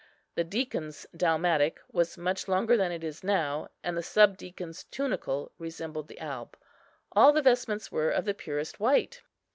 The deacon's dalmatic was much longer than it is now, and the subdeacon's tunicle resembled the alb. All the vestments were of the purest white.